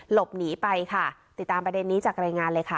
หลบหนีไปค่ะติดตามประเด็นนี้จากรายงานเลยค่ะ